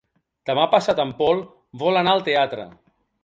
Demà passat en Pol vol anar al teatre.